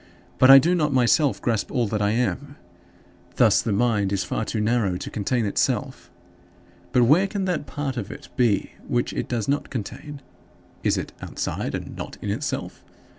But I do not myself grasp all that I am. Thus the mind is far too narrow to contain itself. But where can that part of it be which it does not contain? Is it outside and not in itself?